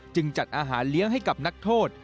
จัดอาหารเลี้ยงให้กับนักโทษ